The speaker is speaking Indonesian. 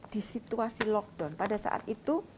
di situasi lockdown pada saat itu